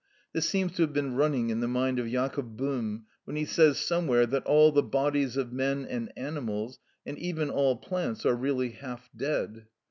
This seems to have been running in the mind of Jacob Böhm when he says somewhere that all the bodies of men and animals, and even all plants, are really half dead.